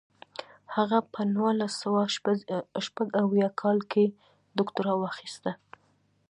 هغه په نولس سوه شپږ اویا کال کې دوکتورا واخیسته.